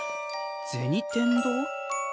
銭天堂？